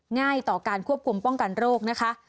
ง่ายต่อการควบคุมป้องกันโรคนะคะ